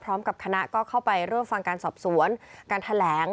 พร้อมกับคณะก็เข้าไปร่วมฟังการสอบสวนการแถลง